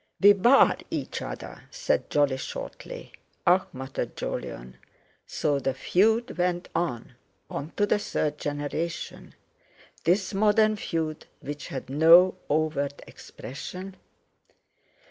"We bar each other," said Jolly shortly. "Ah!" muttered Jolyon. So the feud went on, unto the third generation—this modern feud which had no overt expression?